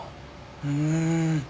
うん。